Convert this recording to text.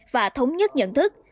và thống nhất nhận thức